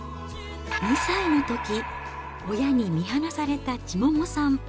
２歳のとき、親に見放された千桃さん。